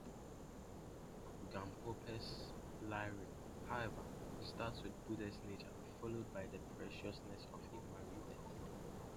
Gampopa's "lamrim", however, starts with the Buddha-nature, followed by the preciousness of human rebirth.